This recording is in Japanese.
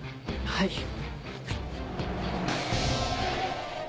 はい。